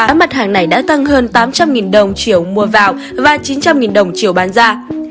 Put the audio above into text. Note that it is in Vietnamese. giá mặt hàng này đã tăng hơn tám trăm linh đồng chiều mua vào và chín trăm linh đồng chiều bán ra